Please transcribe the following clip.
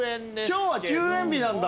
今日は休演日なんだ。